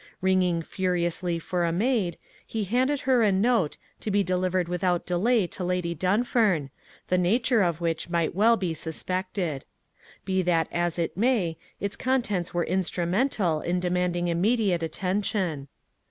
Ringing furiously for a maid, he handed her a note, to be delivered without delay to Lady Dunfern, the nature of which might well be suspected. Be that as it may, its contents were instrumental in demanding immediate attention.